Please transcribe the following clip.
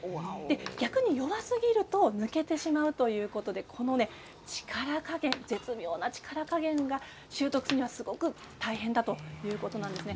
逆に弱すぎると抜けてしまうということで絶妙な力加減が習得するのは非常に大変だということです。